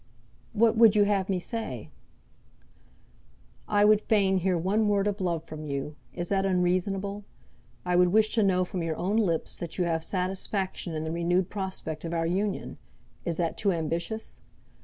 "What would you have me say?" "I would fain hear one word of love from you; is that unreasonable? I would wish to know from your own lips that you have satisfaction in the renewed prospect of our union; is that too ambitious?